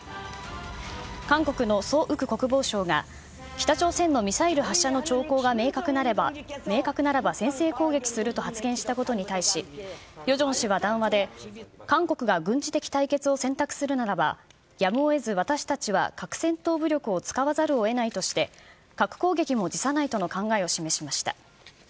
韓国のソ・ウク国防相が、北朝鮮のミサイル発射の兆候が明確ならば先制攻撃すると発言したことに対し、ヨジョン氏は談話で、韓国が軍事的対決を選択するならば、やむをえず私たちは核戦闘武力を使わざるをえないとして、核攻撃も辞さないとの考えを示しました。